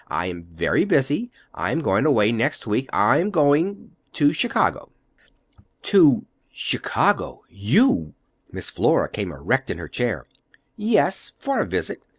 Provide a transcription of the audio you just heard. I am very busy. I am going away next week. I am going—to Chicago." "To chicago—you!" Miss Flora came erect in her chair. "Yes, for a visit.